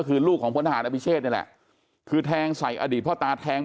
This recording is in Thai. คือลูกของพลทหารอภิเชษนี่แหละคือแทงใส่อดีตพ่อตาแทง